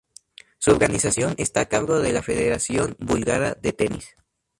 Su organización está a cargo de la Federación Búlgara de Tenis.